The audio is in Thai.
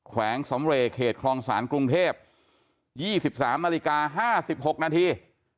แขวงสำเรเขตครองศาลกรุงเทพยี่สิบสามนาฬิกาห้าสิบหกนาที